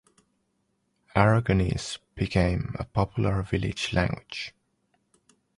Aragonese became a popular village language.